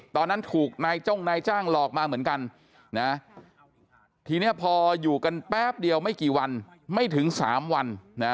ต่ออยู่กันแป๊บเดียวไม่กี่วันไม่ถึง๓วัน